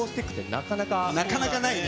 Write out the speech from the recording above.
なかなかないね。